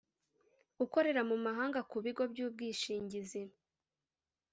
Ukorera mu mahanga ku bigo by ubwishingizi